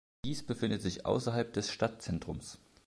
Dies befindet sich außerhalb des Stadtzentrums.